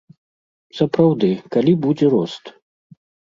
Сапраўды, калі будзе рост?